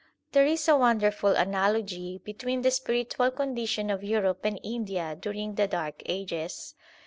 There is a wonderful analogy between the spiritual con dition of Europe and India during the dark ages.